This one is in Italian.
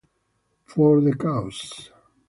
For the Cause